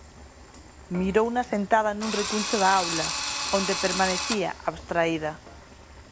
Mirouna sentada nun recuncho da aula, onde permanecía abstraída.